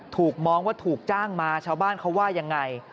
ถูกมองว่าถูกจ้างมาชาวบ้านเขาว่ายังไง